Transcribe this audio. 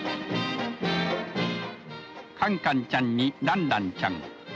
カンカンちゃんにランランちゃん